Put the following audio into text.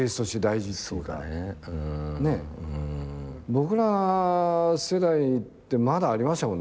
僕ら世代ってまだありましたもんね。